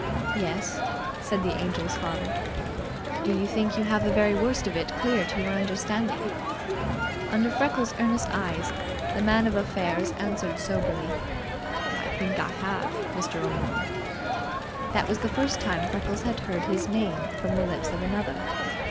"Yes," said the Angel's father. "Do you think you have the very worst of it clear to your understanding?" Under Freckles' earnest eyes the Man of Affairs answered soberly: "I think I have, Mr. O'More." That was the first time Freckles heard his name from the lips of another.